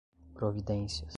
providências